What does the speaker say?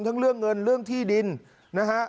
เรื่องเงินเรื่องที่ดินนะฮะ